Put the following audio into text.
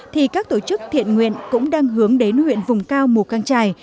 thì các tổ chức thiện nguyện cũng đang hướng đến huyện vùng cao mù căng trải